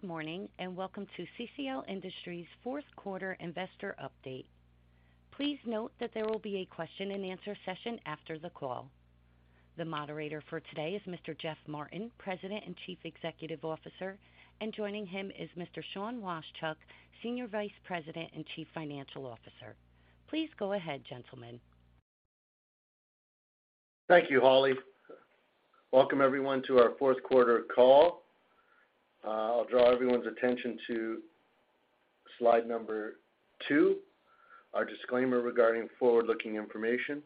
Good morning, Welcome to CCL Industries fourth quarter Investor Update. Please note that there will be a question-and-answer session after the call. The moderator for today is Mr. Geoffrey Martin, President and Chief Executive Officer. Joining him is Mr. Sean Washchuk, Senior Vice President and Chief Financial Officer. Please go ahead, gentlemen. Thank you, Holly. Welcome everyone to our fourth quarter call. I'll draw everyone's attention to slide number two, our disclaimer regarding forward-looking information.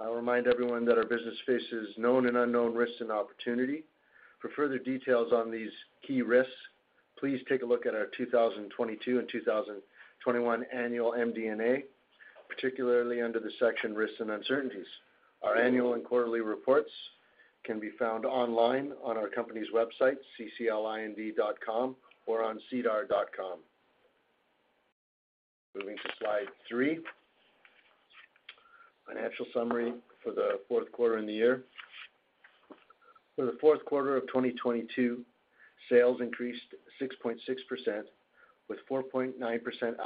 I'll remind everyone that our business faces known and unknown risks and opportunity. For further details on these key risks, please take a look at our 2022 and 2021 annual MD&A, particularly under the section Risks and Uncertainties. Our annual and quarterly reports can be found online on our company's website, cclind.com, or on sedar.com. Moving to slide three, financial summary for the fourth quarter and the year. For the fourth quarter of 2022, sales increased 6.6%, with 4.9%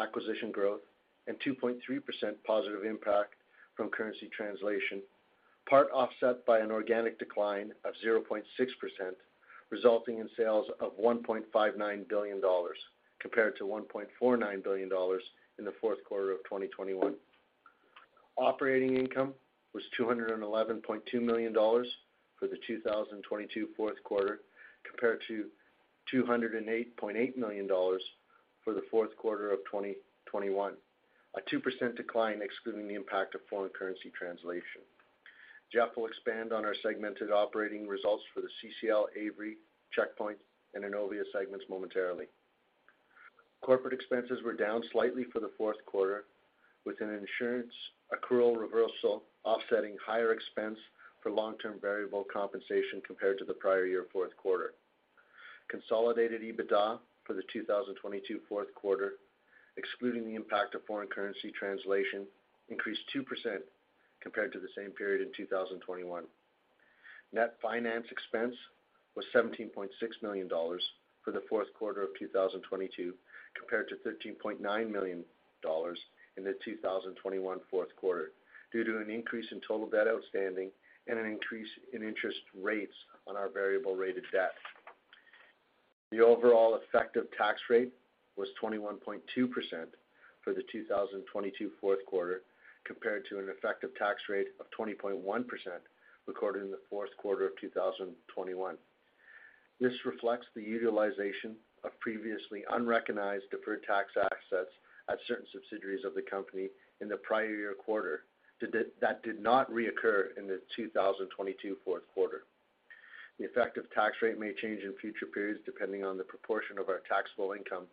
acquisition growth and 2.3% positive impact from currency translation, part offset by an organic decline of 0.6%, resulting in sales of $1.59 billion compared to $1.49 billion in the fourth quarter of 2021. Operating income was $211.2 million for the 2022 fourth quarter compared to $208.8 million for the fourth quarter of 2021, a 2% decline excluding the impact of foreign currency translation. Geoff will expand on our segmented operating results for the CCL Avery, Checkpoint, and Innovia segments momentarily. Corporate expenses were down slightly for the fourth quarter, with an insurance accrual reversal offsetting higher expense for long-term variable compensation compared to the prior year fourth quarter. Consolidated EBITDA for the 2022 fourth quarter, excluding the impact of foreign currency translation, increased 2% compared to the same period in 2021. Net finance expense was $17.6 million for the fourth quarter of 2022 compared to $13.9 million in the 2021 fourth quarter due to an increase in total debt outstanding and an increase in interest rates on our variable rate of debt. The overall effective tax rate was 21.2% for the 2022 fourth quarter compared to an effective tax rate of 20.1% recorded in the fourth quarter of 2021. This reflects the utilization of previously unrecognized deferred tax assets at certain subsidiaries of the company in the prior year quarter that did not reoccur in the 2022 fourth quarter. The effective tax rate may change in future periods depending on the proportion of our taxable income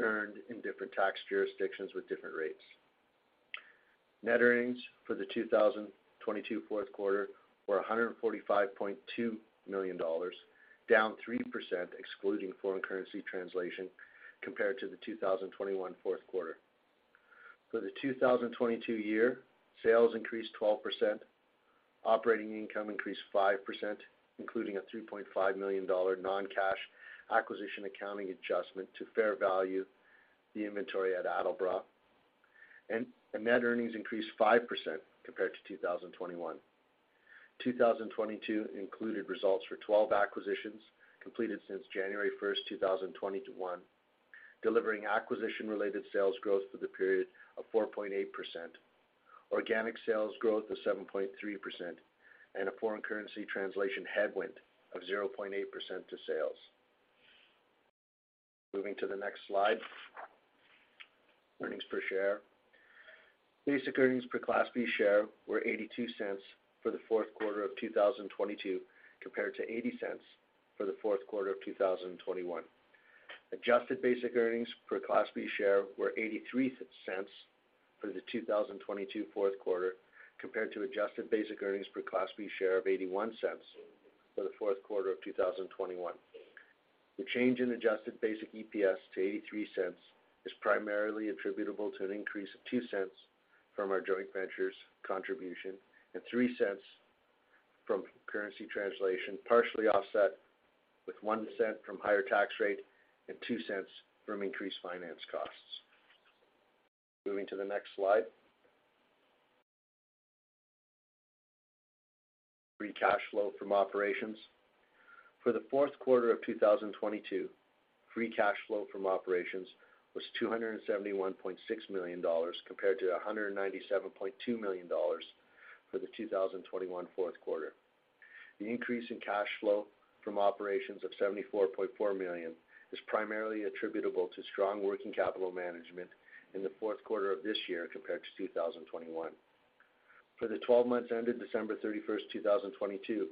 earned in different tax jurisdictions with different rates. Net earnings for the 2022 fourth quarter were $145.2 million, down 3% excluding foreign currency translation compared to the 2021 fourth quarter. For the 2022 year, sales increased 12%, operating income increased 5%, including a $3.5 million non-cash acquisition accounting adjustment to fair value the inventory at Adelbras. Net earnings increased 5% compared to 2021. 2022 included results for 12 acquisitions completed since January first, 2021, delivering acquisition-related sales growth for the period of 4.8%, organic sales growth of 7.3%, and a foreign currency translation headwind of 0.8% to sales. Moving to the next slide. Earnings per share. Basic earnings per Class B share were $0.82 for the fourth quarter of 2022 compared to $0.80 for the fourth quarter of 2021. Adjusted basic earnings per Class B share were $0.83 for the 2022 fourth quarter compared to adjusted basic earnings per Class B share of $0.81 for the fourth quarter of 2021. The change in adjusted basic EPS to $0.83 is primarily attributable to an increase of $0.02 from our joint ventures contribution and $0.03 from currency translation, partially offset with $0.01 from higher tax rate and $0.02 from increased finance costs. Moving to the next slide. Free cash flow from operations. For the fourth quarter of 2022, free cash flow from operations was $271.6 million compared to $197.2 million for the 2021 fourth quarter. The increase in cash flow from operations of $74.4 million is primarily attributable to strong working capital management in the fourth quarter of this year compared to 2021. For the 12 months ended December 31st, 2022,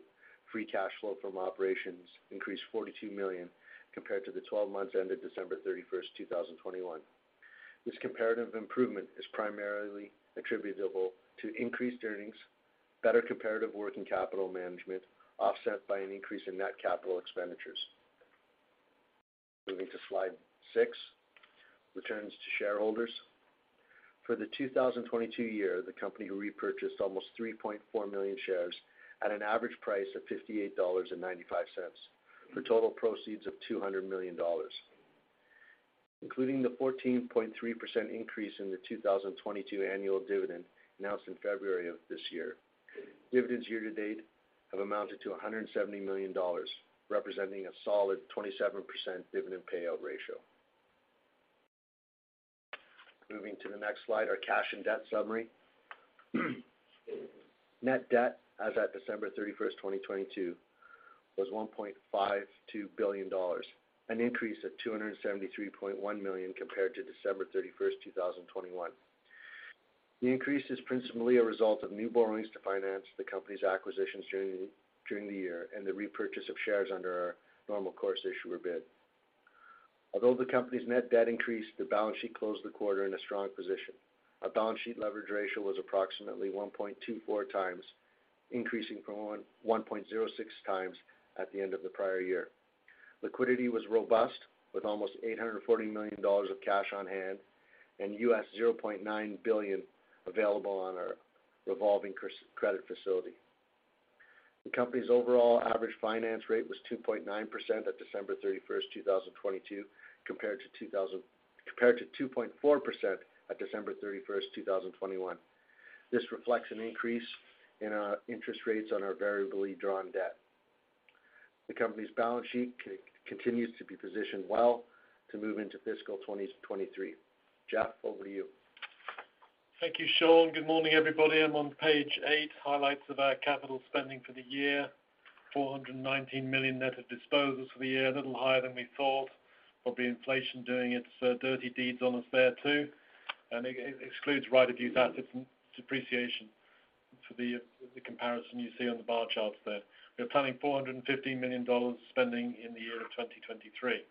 free cash flow from operations increased $42 million compared to the 12 months ended December 31st, 2021. This comparative improvement is primarily attributable to increased earnings, better comparative working capital management, offset by an increase in net capital expenditures. Moving to slide six, returns to shareholders. For the 2022 year, the company repurchased almost 3.4 million shares at an average price of $58.95, for total proceeds of $200 million. Including the 14.3% increase in the 2022 annual dividend announced in February of this year. Dividends year to date have amounted to $170 million, representing a solid 27% dividend payout ratio. Moving to the next slide, our cash and debt summary. Net debt as at December 31st, 2022, was $1.52 billion, an increase of $273.1 million compared to December 31st, 2021. The increase is principally a result of new borrowings to finance the company's acquisitions during the year and the repurchase of shares under our normal course issuer bid. Although the company's net debt increased, the balance sheet closed the quarter in a strong position. Our balance sheet leverage ratio was approximately 1.24x increasing from 1.06x at the end of the prior year. Liquidity was robust with almost $840 million of cash on hand and $0.9 billion available on our revolving credit facility. The company's overall average finance rate was 2.9% at December 31st, 2022, compared to 2.4% at December 31st, 2021. This reflects an increase in interest rates on our variably drawn debt. The company's balance sheet continues to be positioned well to move into fiscal 2023. Geoff, over to you. Thank you, Sean. Good morning, everybody. I'm on page eight, highlights of our capital spending for the year. $419 million net of disposals for the year, a little higher than we thought. Probably inflation doing its dirty deeds on us there too. It excludes right of use asset depreciation for the comparison you see on the bar charts there. We're planning $415 million spending in the year of 2023.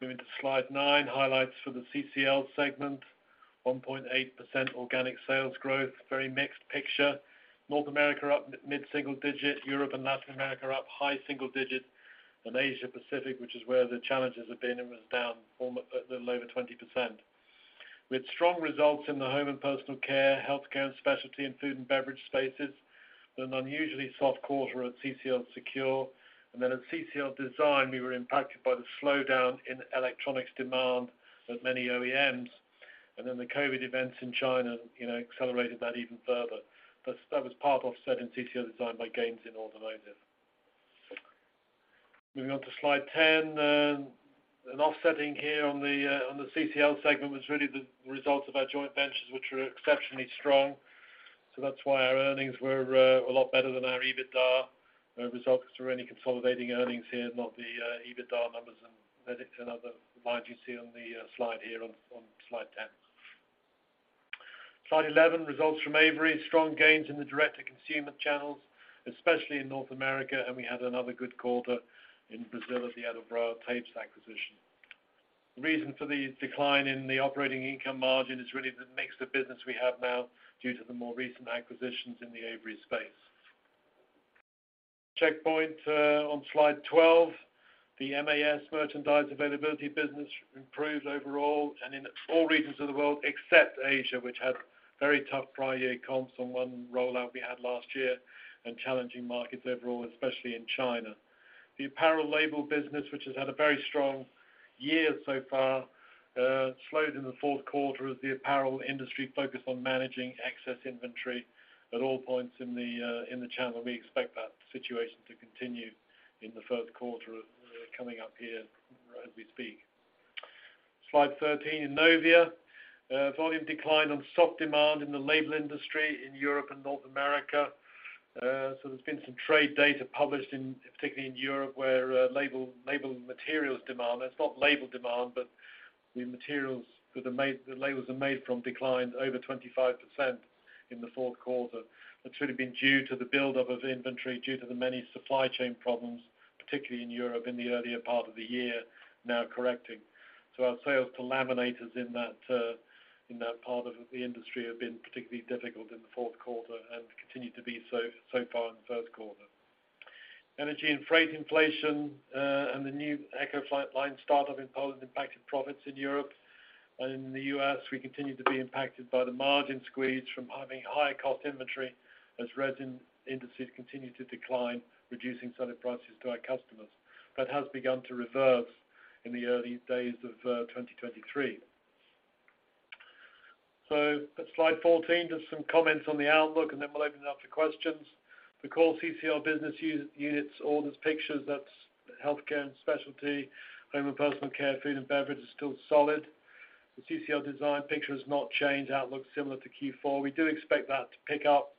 Moving to slide nine, highlights for the CCL segment. 1.8% organic sales growth, very mixed picture. North America up mid single digit, Europe and Latin America up high single digit, and Asia Pacific, which is where the challenges have been, it was down a little over 20%. With strong results in the home and personal care, healthcare and specialty, and food and beverage spaces, with an unusually soft quarter at CCL Secure. At CCL Design, we were impacted by the slowdown in electronics demand with many OEMs. The COVID events in China, you know, accelerated that even further. That was part offset in CCL Design by gains in automotive. Moving on to slide 10, an offsetting here on the CCL segment was really the results of our joint ventures, which were exceptionally strong. That's why our earnings were a lot better than our EBITDA results. We're only consolidating earnings here, not the EBITDA numbers and Medit and other lines you see on the slide here on slide 10. Slide 11, results from Avery. Strong gains in the direct-to-consumer channels, especially in North America. We had another good quarter in Brazil at the Adelbras Tapes acquisition. The reason for the decline in the operating income margin is really the mix of business we have now due to the more recent acquisitions in the Avery space. Checkpoint, on slide 12. The MAS merchandise availability business improved overall and in all regions of the world except Asia, which had very tough prior year comps on 1 rollout we had last year, and challenging markets overall, especially in China. The apparel label business, which has had a very strong year so far, slowed in the fourth quarter as the apparel industry focused on managing excess inventory at all points in the channel. We expect that situation to continue in the first quarter, coming up here as we speak. Slide 13, Innovia. Volume decline on soft demand in the label industry in Europe and North America. There's been some trade data published in, particularly in Europe, where label materials demand. It's not label demand, but the materials that labels are made from declined over 25% in the fourth quarter. That's really been due to the buildup of inventory due to the many supply chain problems, particularly in Europe in the earlier part of the year, now correcting. Our sales to laminators in that, in that part of the industry have been particularly difficult in the fourth quarter and continue to be so far in the first quarter. Energy and freight inflation, and the new Echo flight line startup in Poland impacted profits in Europe. In the U.S., we continue to be impacted by the margin squeeze from having higher cost inventory as resin indices continue to decline, reducing solid prices to our customers. That has begun to reverse in the early days of 2023. At slide 14, just some comments on the outlook, and then we'll open it up to questions. The core CCL business units orders pictures, that's healthcare and specialty, home and personal care, food and beverage is still solid. The CCL Design picture has not changed. Outlook's similar to Q4. We do expect that to pick up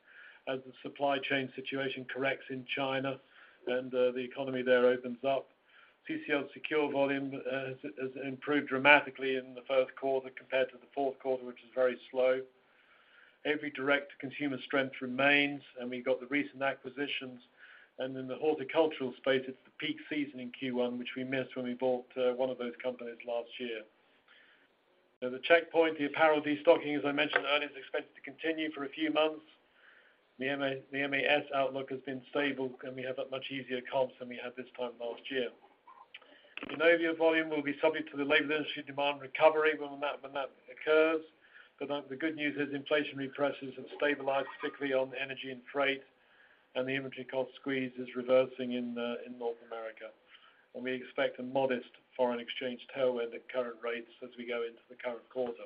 as the supply chain situation corrects in China and the economy there opens up. CCL Secure volume has improved dramatically in the first quarter compared to the fourth quarter, which was very slow. Avery direct-to-consumer strength remains, and we got the recent acquisitions. In the horticultural space, it's the peak season in Q1, which we missed when we bought one of those companies last year. The Checkpoint, the apparel destocking, as I mentioned earlier, is expected to continue for a few months. The MAS outlook has been stable. We have a much easier comps than we had this time last year. The Innovia volume will be subject to the labor industry demand recovery when that occurs. The good news is inflationary pressures have stabilized, particularly on energy and freight. The inventory cost squeeze is reversing in North America. We expect a modest foreign exchange tailwind at current rates as we go into the current quarter.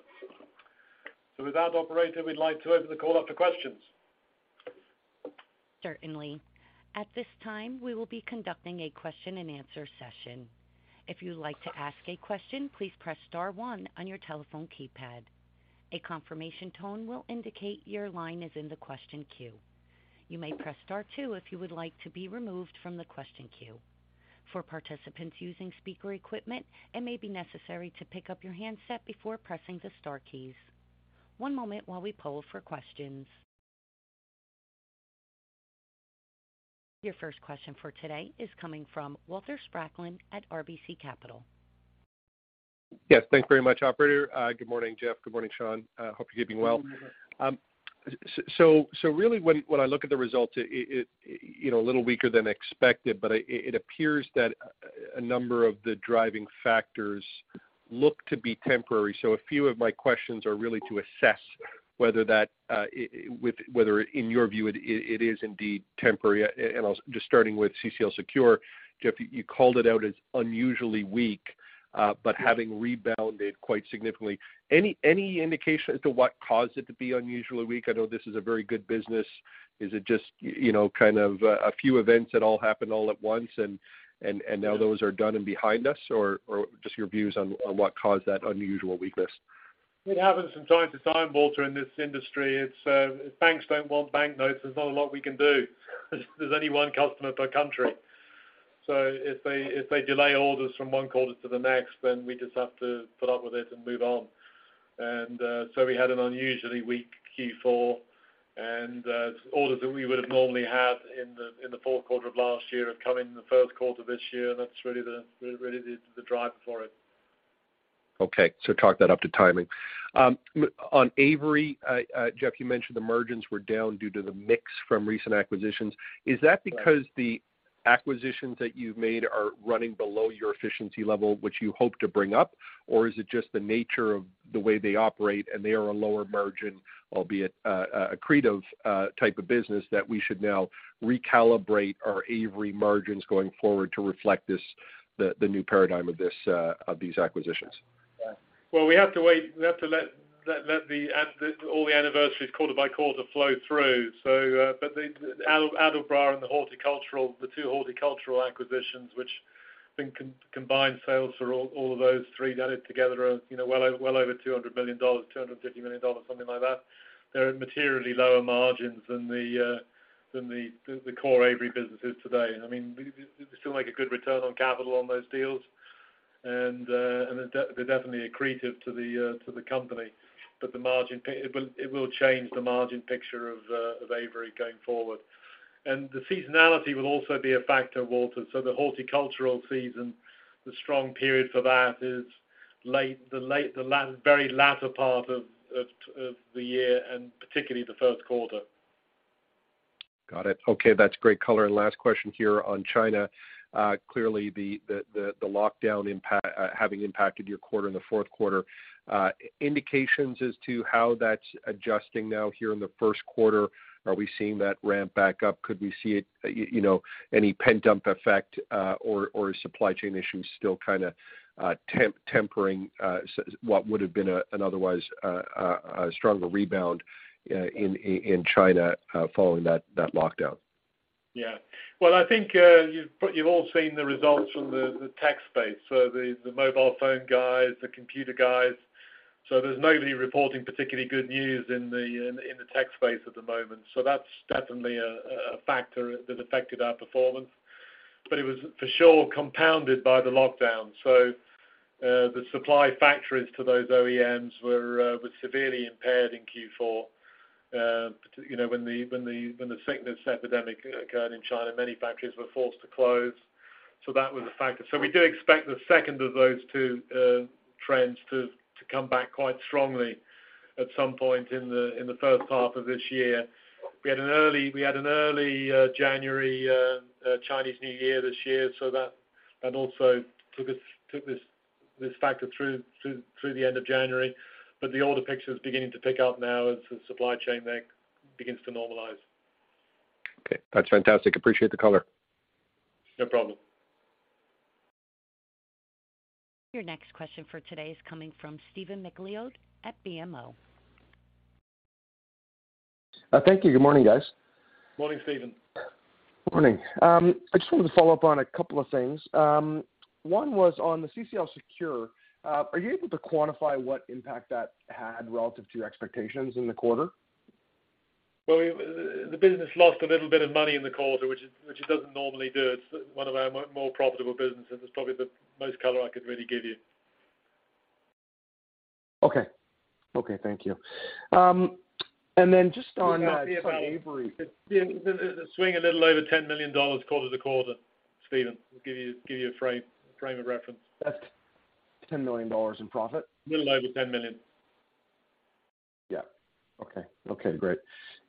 With that operator, we'd like to open the call up to questions. Certainly. At this time, we will be conducting a question-and-answer session. If you'd like to ask a question, please press star one on your telephone keypad. A confirmation tone will indicate your line is in the question queue. You may press star two if you would like to be removed from the question queue. For participants using speaker equipment, it may be necessary to pick up your handset before pressing the star keys. One moment while we poll for questions. Your first question for today is coming from Walter Spracklin at RBC Capital. Yes. Thank you very much, operator. Good morning, Geoff, good morning, Sean. Hope you're doing well. Really when I look at the results, it, you know, a little weaker than expected, but it appears that a number of the driving factors look to be temporary. A few of my questions are really to assess whether that, whether in your view it is indeed temporary. Just starting with CCL Secure, Geoff, you called it out as unusually weak, but having rebounded quite significantly. Any indication as to what caused it to be unusually weak? I know this is a very good business. Is it just, you know, kind of a few events that all happened all at once and now those are done and behind us? Just your views on what caused that unusual weakness. It happens from time to time, Walter, in this industry. It's if banks don't want banknotes, there's not a lot we can do. There's only one customer per country. If they delay orders from one quarter to the next, we just have to put up with it and move on. We had an unusually weak Q4. Orders that we would have normally had in the fourth quarter of last year have come in the first quarter this year. That's really the driver for it. Okay. Talk that up to timing. On Avery, Geoff, you mentioned the margins were down due to the mix from recent acquisitions. Is that because the acquisitions that you've made are running below your efficiency level, which you hope to bring up? Or is it just the nature of the way they operate, and they are a lower margin, albeit a creative type of business that we should now recalibrate our Avery margins going forward to reflect the new paradigm of these acquisitions? Well, we have to wait. We have to let all the anniversaries quarter by quarter flow through. The Adelbras and the horticultural, the two horticultural acquisitions, which I think combined sales for all of those three added together are, you know, well over, well over $200 million, $250 million, something like that. They're at materially lower margins than the, than the core Avery businesses today. I mean, we still make a good return on capital on those deals. They're definitely accretive to the company. The margin it will, it will change the margin picture of Avery going forward. The seasonality will also be a factor, Walter. The horticultural season, the strong period for that is the very latter part of the year and particularly the first quarter. Got it. Okay. That's great color. Last question here on China. Clearly the lockdown impact, having impacted your quarter in the fourth quarter. Indications as to how that's adjusting now here in the first quarter. Are we seeing that ramp back up? Could we see it, you know, any pent-up effect, or supply chain issues still kinda tempering what would have been an otherwise a stronger rebound in China, following that lockdown? Well, I think, you've all seen the results from the tech space. The mobile phone guys, the computer guys. There's nobody reporting particularly good news in the tech space at the moment. That's definitely a factor that affected our performance. It was for sure compounded by the lockdown. The supply factories to those OEMs were severely impaired in Q4. You know, when the sickness epidemic occurred in China, many factories were forced to close. That was a factor. We do expect the second of those two trends to come back quite strongly at some point in the first half of this year. We had an early January Chinese New Year this year. That also took this factor through the end of January. The older picture is beginning to pick up now as the supply chain there begins to normalize. Okay. That's fantastic. Appreciate the color. No problem. Your next question for today is coming from Stephen MacLeod at BMO. Thank you. Good morning, guys. Morning, Stephen. Morning. I just wanted to follow up on a couple of things. One was on the CCL Secure. Are you able to quantify what impact that had relative to your expectations in the quarter? Well, the business lost a little bit of money in the quarter, which it doesn't normally do. It's one of our more profitable businesses. It's probably the most color I could really give you. Okay. Okay. Thank you. then just on, Avery. The swing a little over $10 million quarter-to-quarter, Stephen. We'll give you a frame of reference. That's $10 million in profit? Little over $10 million. Yeah. Okay. Okay, great.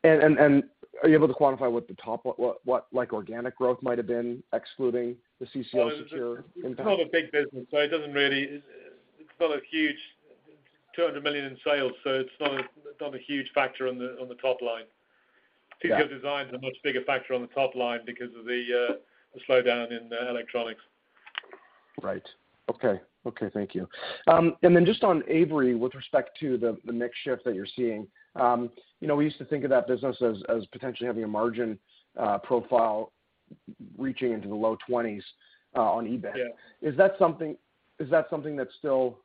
Are you able to qualify what like organic growth might have been excluding the CCL Secure impact? It's not a big business, $200 million in sales, so it's not a huge factor on the top line. Yeah. CCL Design is a much bigger factor on the top line because of the slowdown in the electronics. Right. Okay. Okay, thank you. Just on Avery with respect to the mix shift that you're seeing, you know, we used to think of that business as potentially having a margin profile reaching into the low twenties on EBIT. Yeah. Is that something that's still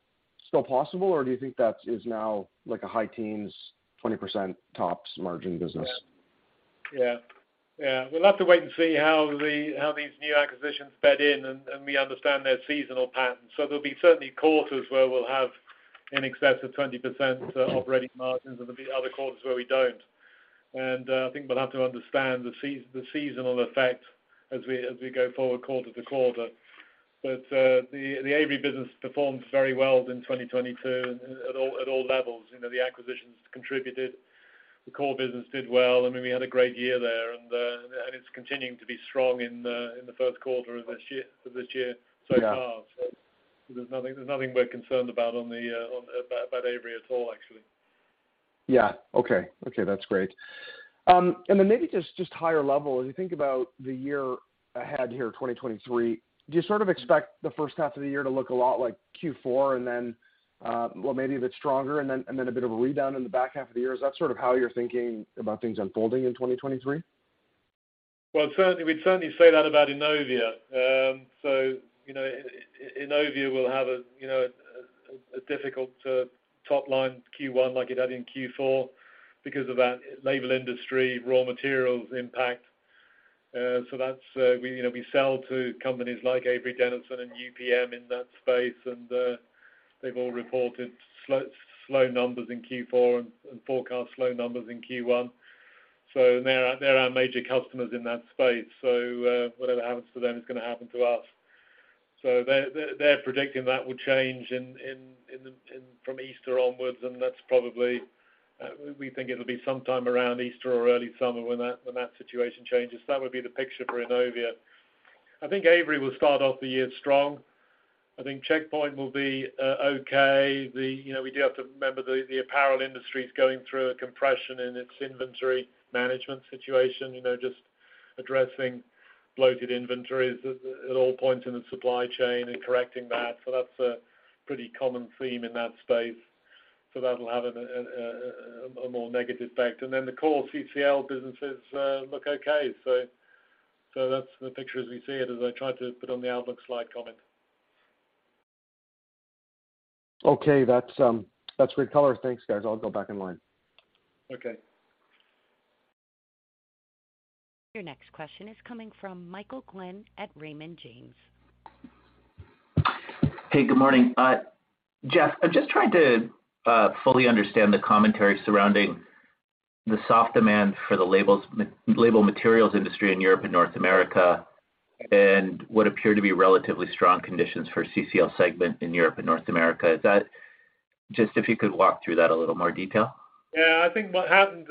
possible, or do you think that is now like a high teens, 20% tops margin business? Yeah. Yeah. We'll have to wait and see how these new acquisitions bed in and we understand their seasonal patterns. There'll be certainly quarters where we'll have in excess of 20% operating margins, and there'll be other quarters where we don't. I think we'll have to understand the seasonal effect as we go forward quarter to quarter. The Avery business performed very well in 2022 at all levels. You know, the acquisitions contributed. The core business did well. I mean, we had a great year there, and it's continuing to be strong in the first quarter of this year so far. Yeah. There's nothing we're concerned about about Avery at all, actually. Yeah. Okay. Okay, that's great. Maybe just higher level, as you think about the year ahead here, 2023, do you sort of expect the first half of the year to look a lot like Q4 and then, well, maybe a bit stronger and then, and then a bit of a rebound in the back half of the year? Is that sort of how you're thinking about things unfolding in 2023? Well, we'd certainly say that about Innovia. you know, Innovia will have a, you know, a difficult top line Q1 like it had in Q4 because of that label industry, raw materials impact. That's, we, you know, we sell to companies like Avery Dennison and UPM in that space, they've all reported slow numbers in Q4 and forecast slow numbers in Q1. So now they're our major customers in that space, whatever happens to them is gonna happen to us. They're predicting that will change from Easter onwards, that's probably we think it'll be sometime around Easter or early summer when that situation changes. That would be the picture for Innovia. I think Avery will start off the year strong. I think Checkpoint will be okay. You know, we do have to remember the apparel industry is going through a compression in its inventory management situation, you know, just addressing bloated inventories at all points in the supply chain and correcting that. That's a pretty common theme in that space. That'll have a more negative effect. The core CCL businesses look okay. That's the picture as we see it, as I tried to put on the outlook slide comment. Okay. That's, that's great color. Thanks, guys. I'll go back in line. Okay. Your next question is coming from Michael Glen at Raymond James. Hey, good morning. Geoff, I'm just trying to fully understand the commentary surrounding the soft demand for the label materials industry in Europe and North America and what appear to be relatively strong conditions for CCL segment in Europe and North America. Just if you could walk through that a little more detail? Yeah. I think what happened,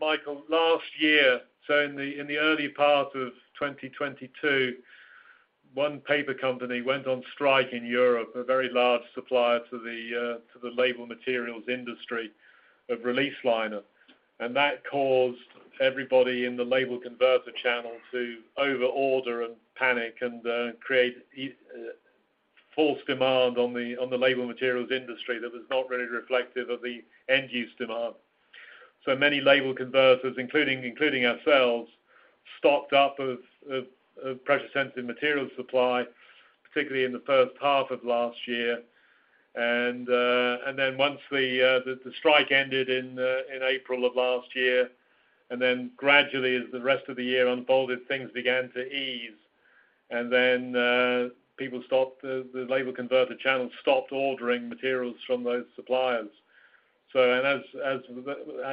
Michael, last year, in the early part of 2022, one paper company went on strike in Europe, a very large supplier to the label materials industry of release liner. That caused everybody in the label converter channel to over-order and panic and create false demand on the label materials industry that was not really reflective of the end-use demand. Many label converters, including ourselves, stocked up of pressure-sensitive material supply, particularly in the first half of last year. Once the strike ended in April of last year, gradually as the rest of the year unfolded, things began to ease. The label converter channel stopped ordering materials from those suppliers. As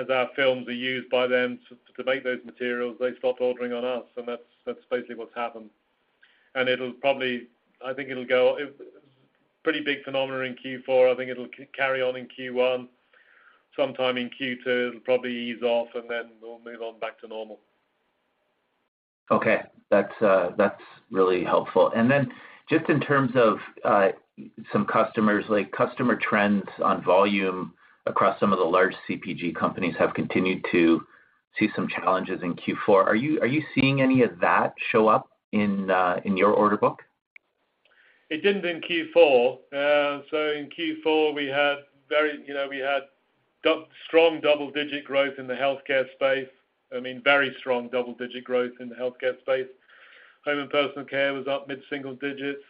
our films are used by them to make those materials, they stopped ordering on us, and that's basically what's happened. It was a pretty big phenomenon in Q4. I think it'll carry on in Q1. Sometime in Q2, it'll probably ease off, we'll move on back to normal. Okay. That's, that's really helpful. Just in terms of, some customers, like customer trends on volume across some of the large CPG companies have continued to see some challenges in Q4. Are you seeing any of that show up in your order book? It didn't in Q4, in Q4, we had very, you know, we had strong double-digit growth in the healthcare space. I mean, very strong double-digit growth in the healthcare space. Home and personal care was up mid-single digits.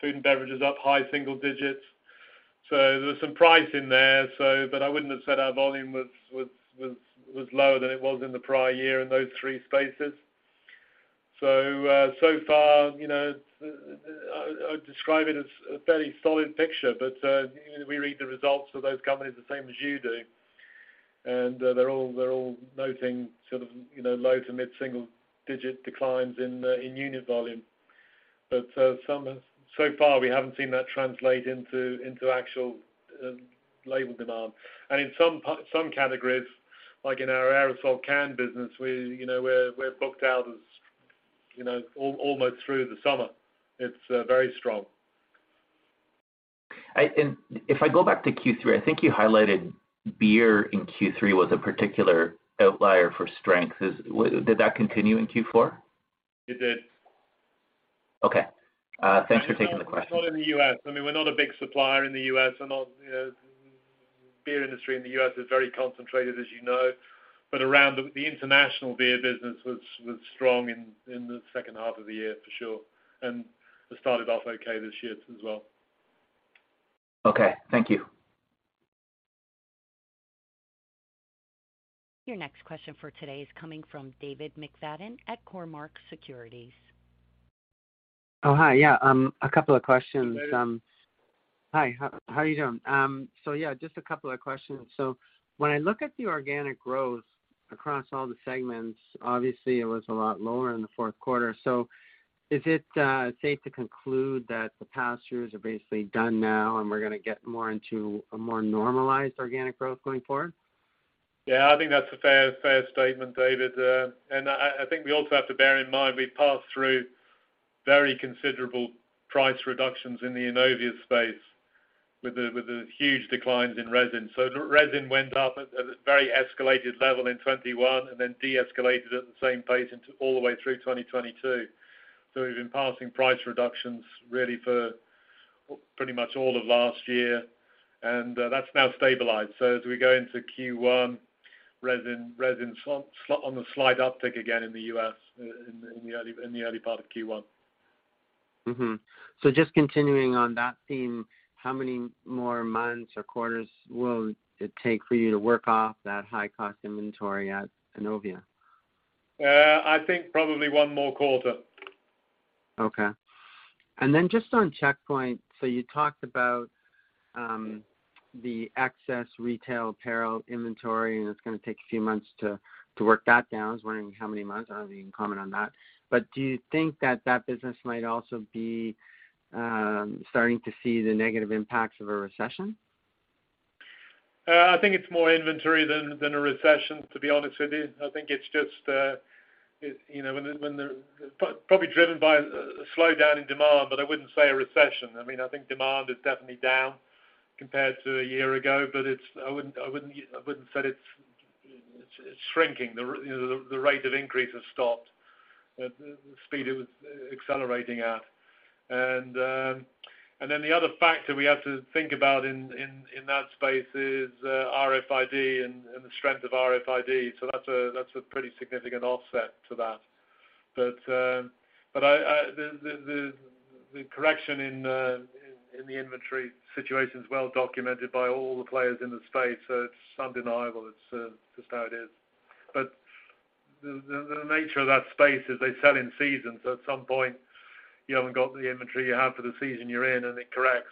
Food and beverage is up high single digits. There was some price in there, so, but I wouldn't have said our volume was lower than it was in the prior year in those three spaces. So far, you know, I'd describe it as a fairly solid picture, but we read the results of those companies the same as you do. They're all noting sort of, you know, low to mid-single digit declines in unit volume. So far, we haven't seen that translate into actual label demand. In some categories, like in our aerosol can business, we, you know, we're booked out as, you know, almost through the summer. It's very strong. If I go back to Q3, I think you highlighted beer in Q3 was a particular outlier for strength. Did that continue in Q4? It did. Okay. Thanks for taking the question. Not in the U.S. I mean, we're not a big supplier in the U.S., and not, you know. Beer industry in the U.S. is very concentrated, as you know. Around the international beer business was strong in the second half of the year for sure and has started off okay this year as well. Okay, thank you. Your next question for today is coming from David McFadgen at Cormark Securities. Oh, hi. Yeah, a couple of questions. Hey, David. Hi, how are you doing? Yeah, just a couple of questions. When I look at the organic growth across all the segments, obviously it was a lot lower in the fourth quarter. Is it safe to conclude that the pass-throughs are basically done now and we're gonna get more into a more normalized organic growth going forward? Yeah, I think that's a fair statement, David. I think we also have to bear in mind, we passed through very considerable price reductions in the Innovia space with the huge declines in resin. The resin went up at a very escalated level in 2021 and then deescalated at the same pace into all the way through 2022. We've been passing price reductions really for pretty much all of last year, that's now stabilized. As we go into Q1, resin on the slight uptick again in the U.S. in the early part of Q1. Just continuing on that theme, how many more months or quarters will it take for you to work off that high-cost inventory at Innovia? I think probably one more quarter. Just on Checkpoint, you talked about the excess retail apparel inventory, and it's gonna take a few months to work that down. I was wondering how many months. I don't know if you can comment on that. Do you think that that business might also be starting to see the negative impacts of a recession? I think it's more inventory than a recession, to be honest with you. I think it's just, you know, when the, probably driven by a slowdown in demand, but I wouldn't say a recession. I mean, I think demand is definitely down compared to a year ago, but it's I wouldn't, I wouldn't, I wouldn't say it's shrinking. The, you know, the rate of increase has stopped at the speed it was accelerating at. Then the other factor we have to think about in that space is RFID and the strength of RFID. That's a, that's a pretty significant offset to that. I, the, the correction in the inventory situation is well documented by all the players in the space, so it's undeniable. It's just how it is. The nature of that space is they sell in seasons. At some point, you haven't got the inventory you have for the season you're in, and it corrects.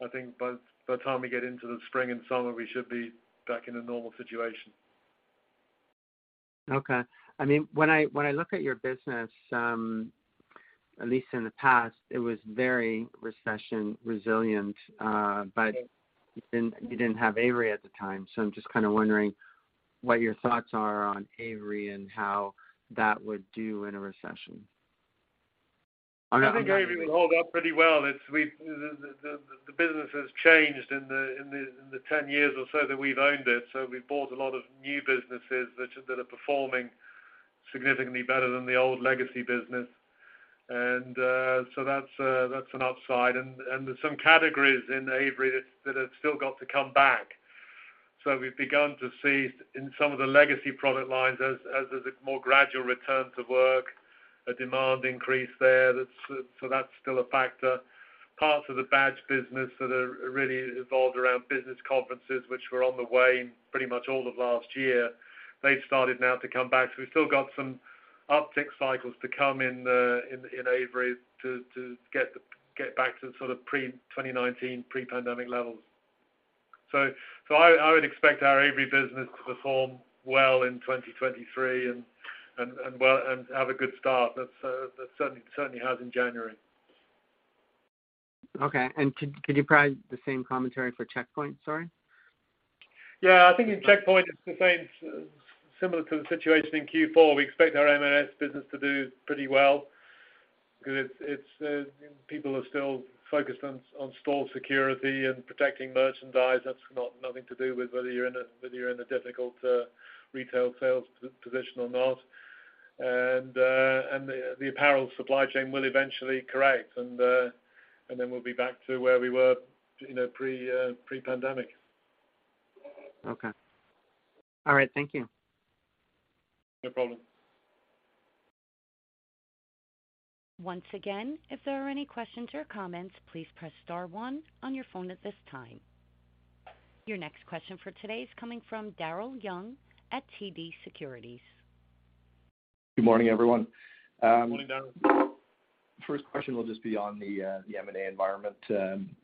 I think by the time we get into the spring and summer, we should be back in a normal situation. I mean, when I look at your business, at least in the past, it was very recession resilient, but you didn't have Avery at the time. I'm just kind of wondering what your thoughts are on Avery and how that would do in a recession. I think Avery will hold up pretty well. It's the business has changed in the 10 years or so that we've owned it. We've bought a lot of new businesses that are performing significantly better than the old legacy business. That's an upside. There's some categories in Avery that have still got to come back. We've begun to see in some of the legacy product lines as there's a more gradual return to work, a demand increase there. That's still a factor. Parts of the badge business that are really involved around business conferences, which were on the wane pretty much all of last year. They've started now to come back. We've still got some uptick cycles to come in Avery to get back to sort of pre-2019, pre-pandemic levels. I would expect our Avery business to perform well in 2023 and have a good start. That certainly has in January. Okay. could you provide the same commentary for Checkpoint, sorry? Yeah. I think in Checkpoint it's the same, similar to the situation in Q4. We expect our MNS business to do pretty well because its people are still focused on store security and protecting merchandise. That's not nothing to do with whether you're in a difficult retail sales position or not. The apparel supply chain will eventually correct, and then we'll be back to where we were, you know, pre-pandemic. Okay. All right, thank you. No problem. Once again, if there are any questions or comments, please press star one on your phone at this time. Your next question for today is coming from Daryl Young at TD Securities. Good morning, everyone. Morning, Daryl. First question will just be on the M&A environment,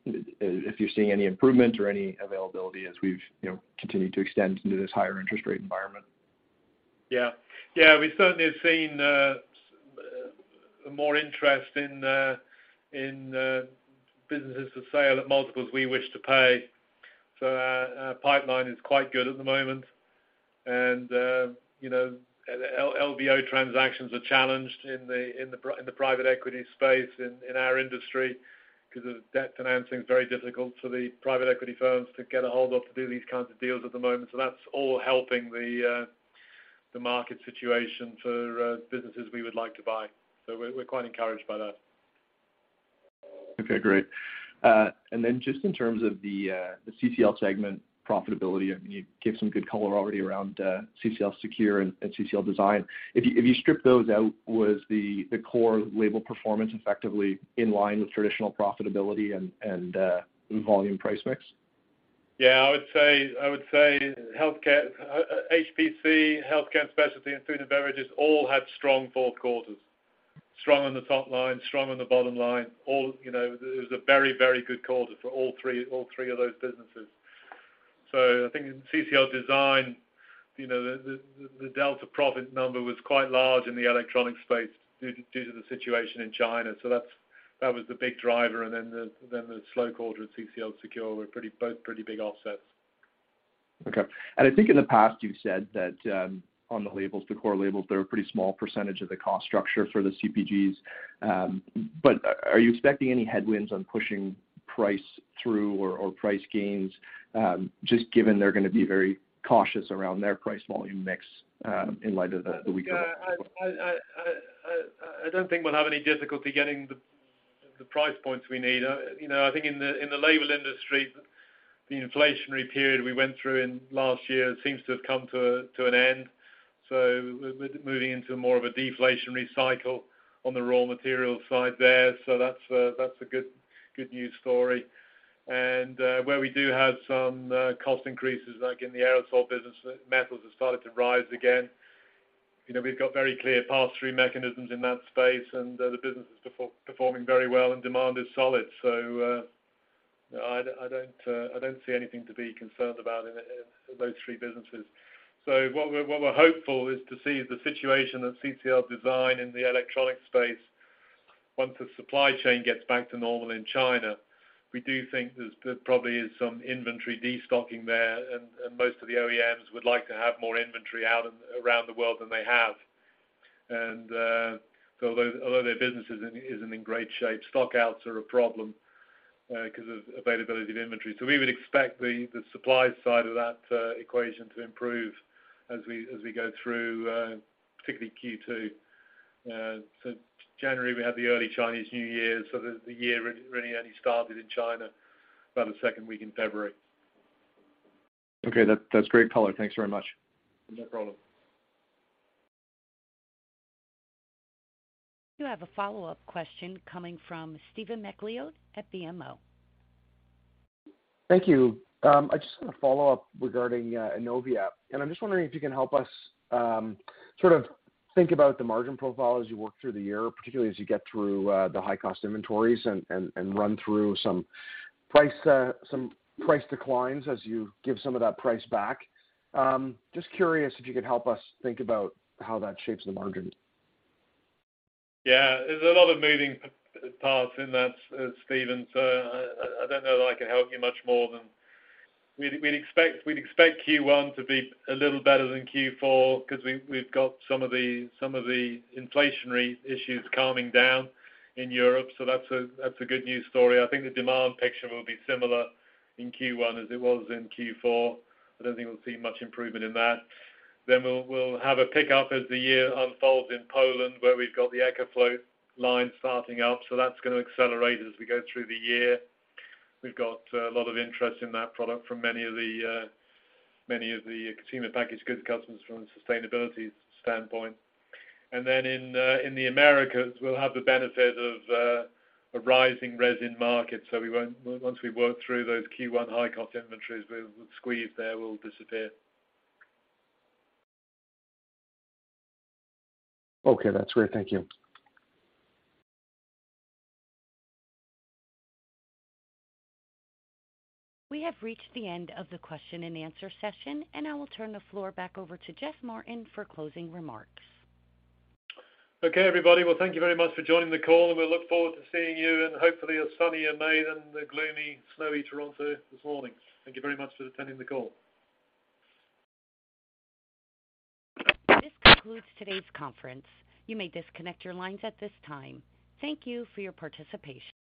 if you're seeing any improvement or any availability as we've, you know, continued to extend into this higher interest rate environment. Yeah, we certainly have seen more interest in businesses for sale at multiples we wish to pay. Our pipeline is quite good at the moment. You know, LBO transactions are challenged in the private equity space in our industry cause of debt financing is very difficult for the private equity firms to get a hold of to do these kinds of deals at the moment. That's all helping the market situation for businesses we would like to buy. We're quite encouraged by that. Okay, great. Then just in terms of the CCL segment profitability, I mean, you gave some good color already around CCL Secure and CCL Design. If you strip those out, was the core label performance effectively in line with traditional profitability and volume price mix? Yeah, I would say, I would say HPC, healthcare and specialty, and food and beverages all had strong fourth quarters. Strong on the top line, strong on the bottom line. You know, it was a very, very good quarter for all three of those businesses. I think in CCL Design, you know, the delta profit number was quite large in the electronic space due to the situation in China. That was the big driver. The slow quarter at CCL Secure were both pretty big offsets. Okay. I think in the past you said that, on the labels, the core labels, they're a pretty small percentage of the cost structure for the CPGs. But are you expecting any headwinds on pushing price through or price gains, just given they're gonna be very cautious around their price volume mix, in light of the weaker? I don't think we'll have any difficulty getting the price points we need. you know, I think in the, in the label industry, the inflationary period we went through in last year seems to have come to an end. We're moving into more of a deflationary cycle on the raw material side there. That's a good news story. Where we do have some cost increases, like in the aerosol business, metals have started to rise again. You know, we've got very clear pass-through mechanisms in that space, and the business is performing very well, and demand is solid. I don't see anything to be concerned about in those three businesses. What we're hopeful is to see the situation at CCL Design in the electronic space. Once the supply chain gets back to normal in China, we do think there probably is some inventory destocking there. Most of the OEMs would like to have more inventory out around the world than they have. Although their business isn't in great shape, stockouts are a problem 'cause of availability of inventory. We would expect the supply side of that equation to improve as we go through particularly Q2. January, we had the early Chinese New Year, so the year really only started in China about the second week in February. Okay. That's great color. Thanks very much. No problem. You have a follow-up question coming from Stephen MacLeod at BMO. Thank you. I just wanna follow up regarding Innovia. I'm just wondering if you can help us sort of think about the margin profile as you work through the year, particularly as you get through the high-cost inventories and run through some price declines as you give some of that price back. Just curious if you could help us think about how that shapes the margin. There's a lot of moving parts in that, Stephen. I don't know that I can help you much more than. We'd expect Q1 to be a little better than Q4 because we've got some of the inflationary issues calming down in Europe. That's a good news story. I think the demand picture will be similar in Q1 as it was in Q4. I don't think we'll see much improvement in that. We'll have a pickup as the year unfolds in Poland, where we've got the EcoFloat line starting up. That's going to accelerate as we go through the year. We've got a lot of interest in that product from many of the Consumer-Packaged Goods customers from a sustainability standpoint. In the Americas, we'll have the benefit of a rising resin market. Once we work through those Q1 high-cost inventories, the squeeze there will disappear. Okay. That's great. Thank you. We have reached the end of the question-and-answer session, and I will turn the floor back over to Geoffrey Martin for closing remarks. Okay, everybody. Well, thank you very much for joining the call. We look forward to seeing you in, hopefully, a sunnier May than the gloomy, snowy Toronto this morning. Thank you very much for attending the call. This concludes today's conference. You may disconnect your lines at this time. Thank you for your participation.